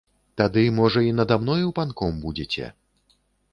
Тады, можа, і нада мною панком будзеце.